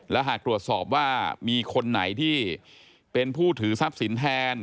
และหากตรวจสอบว่ามีคนไหนที่เป็นผู้ถือทรัพย์สินแทน